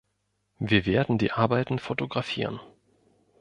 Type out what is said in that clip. Wir werden die Arbeiten fotografieren.